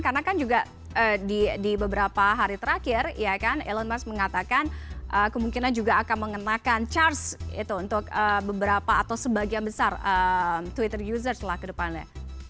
karena kan juga di beberapa hari terakhir elon musk mengatakan kemungkinan juga akan mengenakan charge untuk beberapa atau sebagian besar twitter user ke depannya